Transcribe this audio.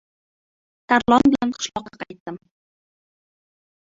Tarlon bilan qishloqqa qaytdim.